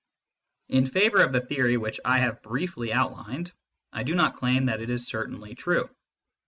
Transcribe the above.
In favour of the theory which I have briefly outlined, I do not claim that it is certainly true.